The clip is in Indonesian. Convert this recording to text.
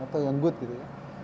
atau yang good gitu ya